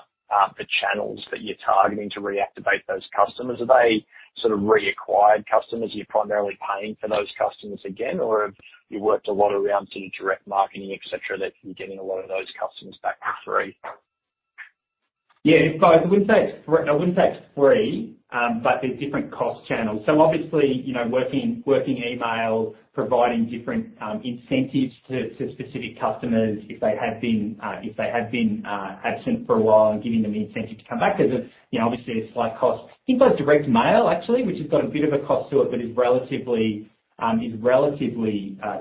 the channels that you're targeting to reactivate those customers? Are they sort of reacquired customers, you're primarily paying for those customers again? Or have you worked a lot around sort of direct marketing, et cetera, that you're getting a lot of those customers back for free? Yeah. Look, I wouldn't say it's free. There's different cost channels. Obviously, you know, working email, providing different incentives to specific customers if they have been absent for a while and giving them the incentive to come back. There's obviously a slight cost. Things like direct mail actually, which has got a bit of a cost to it, but is relatively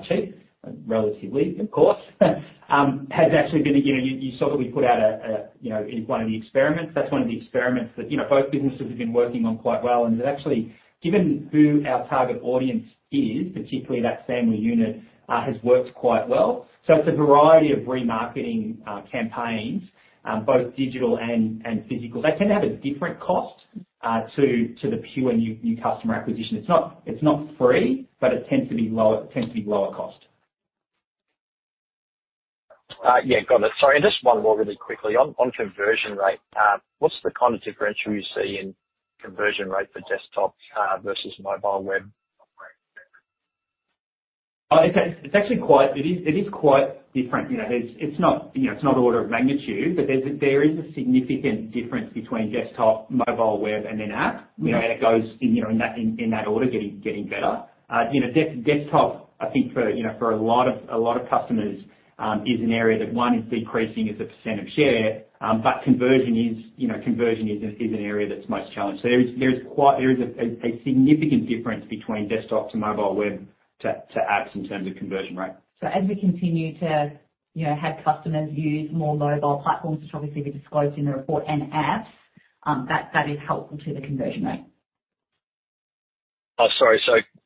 cheap, relatively of course, has actually been, you know, you saw that we put out, you know, in one of the experiments. That's one of the experiments that, you know, both businesses have been working on quite well. It actually, given who our target audience is, particularly that family unit, has worked quite well. It's a variety of remarketing campaigns, both digital and physical. They tend to have a different cost to the pure new customer acquisition. It's not free, but it tends to be lower cost. Yeah. Got it. Sorry, just one more really quickly. On conversion rate, what's the kind of differential you see in conversion rate for desktop versus mobile web? It's actually quite different. You know, it's not order of magnitude, but there is a significant difference between desktop, mobile web, and then app. You know, and it goes in that order getting better. You know, desktop I think for a lot of customers is an area that one is decreasing as a percent of share. But conversion is an area that's most challenged. There is a significant difference between desktop to mobile web to apps in terms of conversion rate. As we continue to, you know, have customers use more mobile platforms, which obviously we disclosed in the report and apps, that is helpful to the conversion rate. Oh, sorry.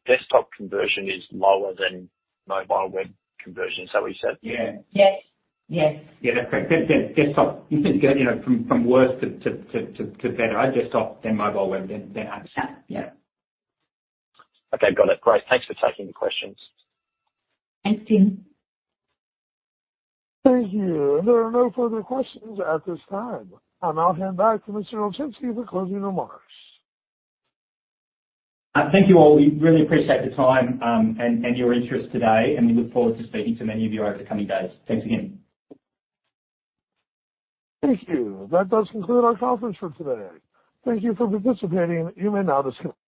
Desktop conversion is lower than mobile web conversion. Is that what you said? Yeah. Yes. Yes. Yeah. That's correct. Desktop, you can go, you know, from worse to better. Desktop, then mobile web, then apps. Yeah. Yeah. Okay. Got it. Great. Thanks for taking the questions. Thanks, Tim. Thank you. There are no further questions at this time. I'll now hand back to Michael Ilczynski for closing remarks. Thank you, all. We really appreciate the time, and your interest today. We look forward to speaking to many of you over the coming days. Thanks again. Thank you. That does conclude our conference for today. Thank you for participating. You may now disconnect.